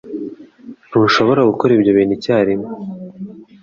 Ntushobora gukora ibyo bintu icyarimwe.